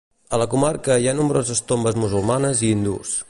A la comarca hi ha nombroses tombes musulmanes i hindús.